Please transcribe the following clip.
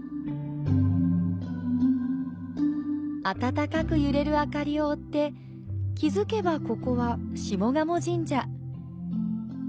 あたたかく揺れる明かりを追って気づけば、ここは下鴨神社。